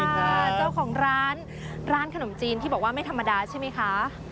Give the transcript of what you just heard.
เจ้าของร้านร้านขนมจีนที่บอกว่าไม่ธรรมดาใช่ไหมคะ